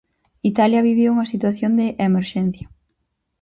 Italia vive unha situación de emerxencia.